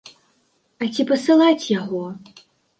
А ці пасылаць яго?